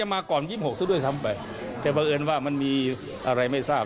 ไม่ทราบไม่ทราบอันนี้ด้วยความภูมิไม่ทราบ